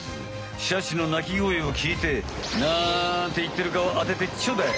シャチの鳴き声をきいてなんていってるかを当ててちょうだい。